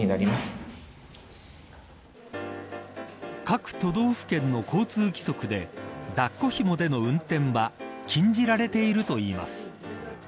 各都道府県の交通規則で抱っこひもでの運転は禁じられているといいます。